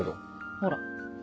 ほら。